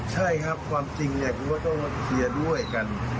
ใช่ครับความจริงเนี่ยผมก็เคีย่ด้วยกัน